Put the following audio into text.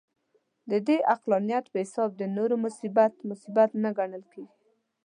د دې عقلانیت په حساب د نورو مصیبت، مصیبت نه ګڼل کېږي.